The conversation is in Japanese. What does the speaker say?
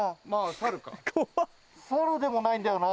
猿でもないんだよな。